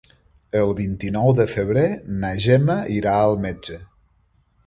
El vint-i-nou de febrer na Gemma irà al metge.